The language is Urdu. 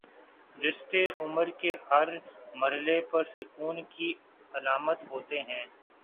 رشتے عمر کے ہر مر حلے پر سکون کی علامت ہوتے ہیں۔